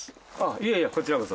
いえいえこちらこそ。